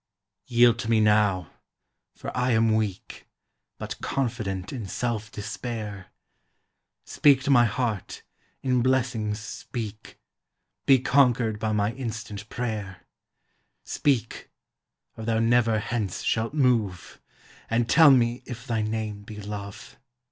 Yield to me now, for I am weak, But confident in self despair; Speak to my heart, in blessings speak; Be conquered by my instant prayer; Speak, or thou never hence shalt move, And tell me if thy name be Love.